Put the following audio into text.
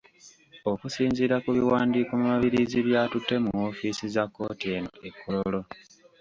Okusinziira ku biwandiiko Mabirizi byatutte mu woofiisi za kkooti eno e Kololo.